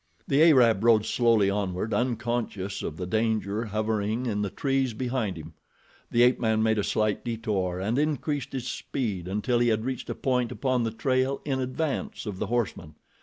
The Arab rode slowly onward, unconscious of the danger hovering in the trees behind him. The ape man made a slight detour and increased his speed until he had reached a point upon the trail in advance of the horseman.